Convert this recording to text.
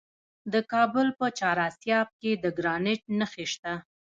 د کابل په چهار اسیاب کې د ګرانیټ نښې شته.